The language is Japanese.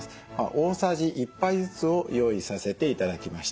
大さじ１杯ずつを用意させて頂きました。